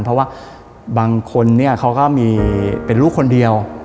เพราะว่าบางคนเนี่ยเขาก็มีเป็นลูกคนเดียว